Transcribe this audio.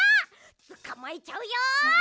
つかまえちゃうよ。